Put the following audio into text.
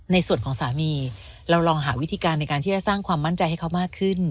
ในส่วนของสามีเราลองหาวิธีการในการที่จะสร้างความมั่นใจให้เขามากขึ้น